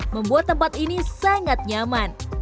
membuat tempat ini sangat nyaman